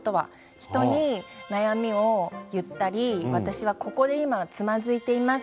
人に悩みを言ったり私はここでつまずいております